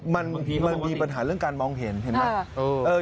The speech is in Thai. มันมีปัญหาเรื่องการมองเห็นเห็นไหม